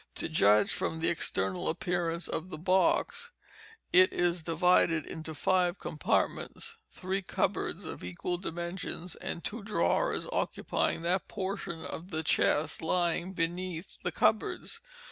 To judge from the external appearance of the box, it is divided into five compartments—three cupboards of equal dimensions, and two drawers occupying that portion of the chest lying beneath the cupboards.